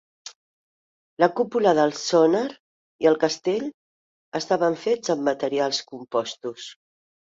La cúpula del sònar i el castell estaven fets amb materials compostos.